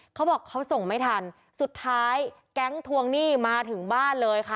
เขาบอกเขาส่งไม่ทันสุดท้ายแก๊งทวงหนี้มาถึงบ้านเลยค่ะ